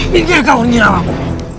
pinggir kau niat aku